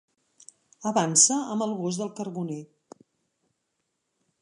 Avança amb el gos del carboner.